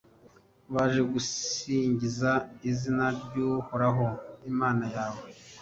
baje gusingiza izina ry’uhoraho, imana yawe,